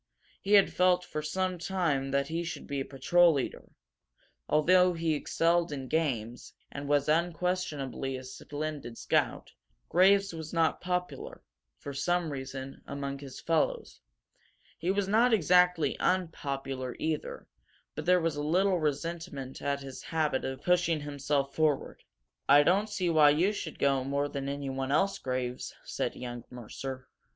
He had felt for some time that he should be a patrol leader. Although he excelled in games, and was unquestionably a splendid scout, Graves was not popular, for some reason, among his fellows. He was not exactly unpopular, either; but there was a little resentment at his habit of pushing himself forward. "I don't see why you should go more than anyone else, Graves," said young Mercer.